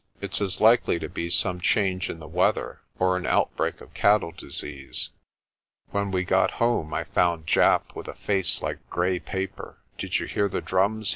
It's as likely to be some change in the weather or an outbreak of cattle disease." When we got home I found Japp with a face like grey paper. "Did you hear the drums?"